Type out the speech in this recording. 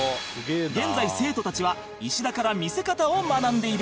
現在生徒たちは石田から見せ方を学んでいる